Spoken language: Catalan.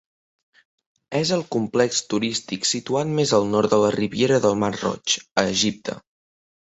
És el complex turístic situat més al nord de la Riviera del Mar Roig, a Egipte.